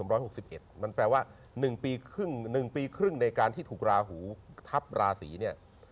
มันแปลว่า๑ปีครึ่ง๑ปีครึ่งในการที่ถูกราหูทับราศีเนี่ย